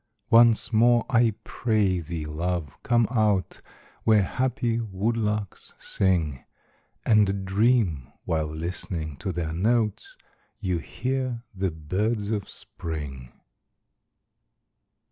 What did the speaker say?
Once more, I pray thee, love, come out, Where happy woodlarks sing, And dream, while listening to their notes, You hear the birds of Spring.